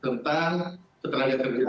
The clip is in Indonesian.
tentang keselamatan kerja